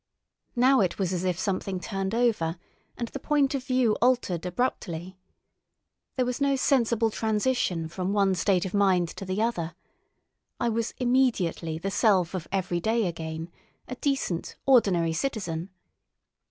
Now it was as if something turned over, and the point of view altered abruptly. There was no sensible transition from one state of mind to the other. I was immediately the self of every day again—a decent, ordinary citizen.